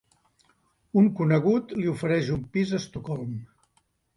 Un conegut li ofereix un pis a Estocolm.